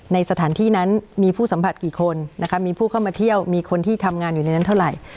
ในสถานที่นั้นมีผู้สัมผัสกี่คนนะคะมีผู้เข้ามาเที่ยวมีคนที่ทำงานอยู่ในนั้นเท่าไหร่